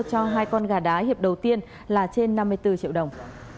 cho hai con gà đá hiệp đầu tiên là trên năm mươi bốn triệu đồng